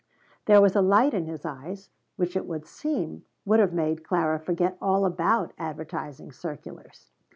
There was a light in his eyes which it would seem would have made Clara forget all about advertising circulars.